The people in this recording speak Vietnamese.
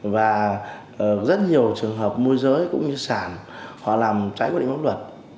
và rất nhiều trường hợp môi giới cũng như sản họ làm trái quy định pháp luật